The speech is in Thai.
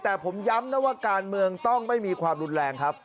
แต่ผมย้ำนะว่าการเมืองต้องไม่มีความรุนแรงครับ